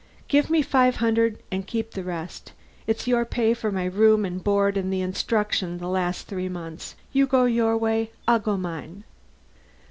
Give me five hundred and keep the rest. It's your pay for my room and board and instruction the last three months. You go your way, I'll go mine."